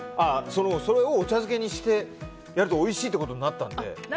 それをお茶漬けにするとおいしいってことになったんで。